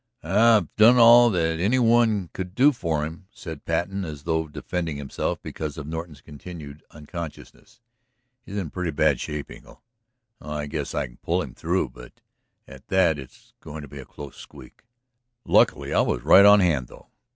"I've done all that any one could do for him," said Patten, as though defending himself because of Norton's continued unconsciousness. "He's in pretty bad shape, Engle. Oh, I guess I can pull him through, but at that it's going to be a close squeak. Lucky I was right on hand, though."